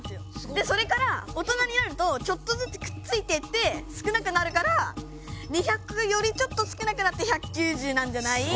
でそれから大人になるとちょっとずつくっついてって少なくなるから２００よりちょっと少なくなって１９０なんじゃないって。